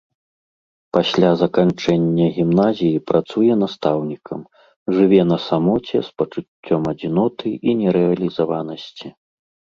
Пасля заканчэння гімназіі працуе настаўнікам, жыве на самоце з пачуццём адзіноты і нерэалізаванасці.